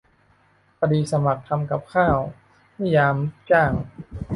คดีสมัครทำกับข้าว-นิยาม "ลูกจ้าง"